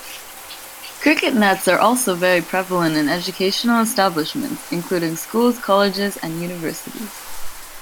Cricket nets are also very prevalent in educational establishments; including schools, colleges and universities.